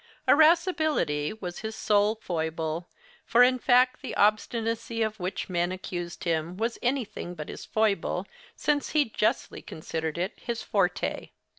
Irascibility was his sole foible, for in fact the obstinacy of which men accused him was anything but his foible, since he justly considered it his forte.